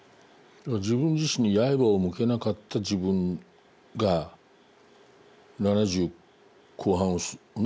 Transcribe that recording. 自分自身に刃を向けなかった自分が７０後半をね